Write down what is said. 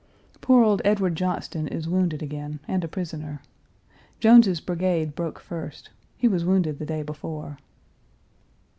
Poor old Edward Johnston is wounded again, and a prisoner. Jones's brigade broke first; he was wounded the day before.